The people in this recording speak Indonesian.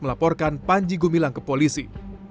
melaporkan panji gumilang ke polisi